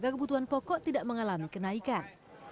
kebutuhan pokok tidak mengalami kenaikan